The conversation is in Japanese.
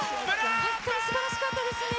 本当にすばらしかったですね。